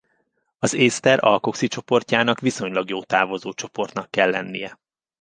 Az észter alkoxicsoportjának viszonylag jó távozó csoportnak kell lennie.